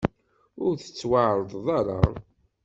Ur tettwaɛerḍeḍ ara.